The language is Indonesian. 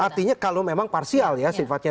artinya kalau memang parsial ya sifatnya